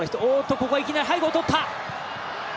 ここはいきなり背後をとった！